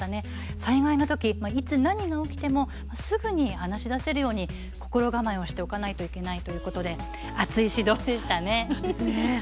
災害のとき、いつ何が起きてもすぐに話し出せるように心構えをしておかないといけないということで熱い指導でしたね。